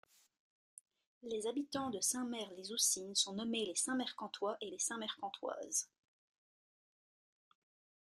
Les habitants de Saint-Merd-les-Oussines sont nommés les Saint Mercantois et les Saint Mercantoises.